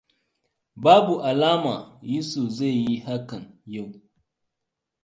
Babu alama Yusuf zai yi hakan yau.